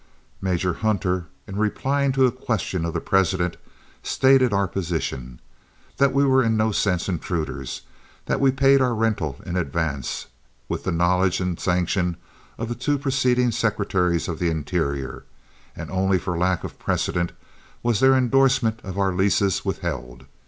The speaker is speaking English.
Major Hunter, in replying to a question of the President, stated our position: that we were in no sense intruders, that we paid our rental in advance, with the knowledge and sanction of the two preceding Secretaries of the Interior, and only for lack of precedent was their indorsement of our leases withheld.